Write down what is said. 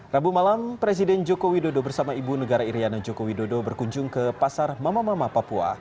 rabu malam presiden joko widodo bersama ibu negara iryana joko widodo berkunjung ke pasar mama mama papua